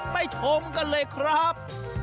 ชมกันเลยครับ